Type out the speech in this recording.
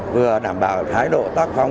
vừa đảm bảo thái độ tắc phong